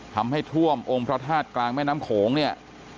ทำให้ท่วมองค์พระธาตุกลางแม่น้ำโขงเนี่ย